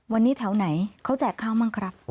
วันนี้แถวไหนเขาแจกข้าวบ้างครับ